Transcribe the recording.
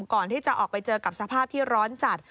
ก่อนที่จะออกไปเจอกับสภาพที่ร้อนจัด